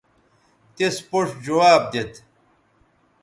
تس پوڇ جواب دیت